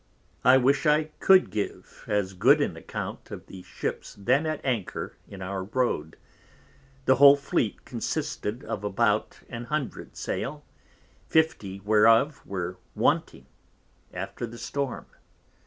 I wish I could give as good an Account of the Ships then at Anchor in our Road, the whole Fleet consisted of about an hundred Sail, fifty whereof were wanting after the Storm.